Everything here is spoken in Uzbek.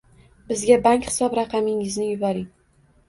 Bizga bank hisob raqamingizni yuboring